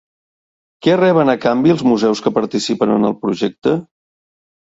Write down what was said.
Què reben a canvi els museus que participen en el projecte?